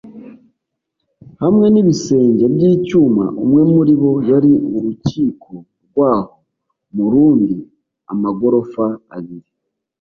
hamwe n'ibisenge by'icyuma; umwe muri bo yari urukiko rwaho, mu rundi, amagorofa abiri